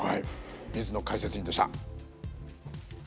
水野解説委員でした。